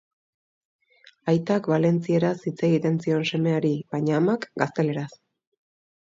Aitak valentzieraz hitz egiten zion semeari baina amak gazteleraz.